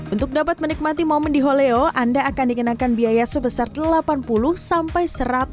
untuk dapat menikmati momen di holeo anda akan dikenakan biaya sebesar delapan puluh sampai